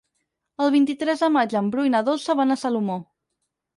El vint-i-tres de maig en Bru i na Dolça van a Salomó.